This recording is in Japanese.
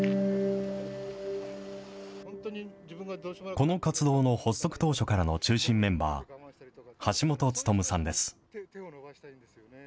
この活動の発足当初からの中心メンバー、橋本勉さんです。